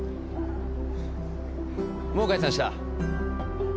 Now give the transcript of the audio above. もう解散した？